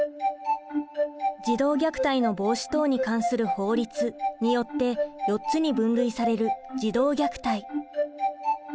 児童虐待の防止等に関する法律によって４つに分類される児童虐待。